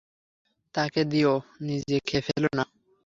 তাকে দিও, নিজে খেয়ে ফেল না।